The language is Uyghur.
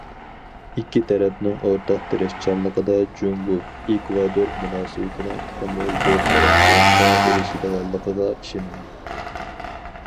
ئىككى تەرەپنىڭ ئورتاق تىرىشچانلىقىدا، جۇڭگو- ئېكۋادور مۇناسىۋىتىنىڭ تېخىمۇ زور تەرەققىياتقا ئېرىشىدىغانلىقىغا ئىشىنىمەن.